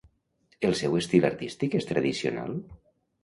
El seu estil artístic és tradicional?